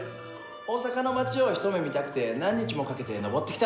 大阪の町を一目見たくて何日もかけて登ってきたの。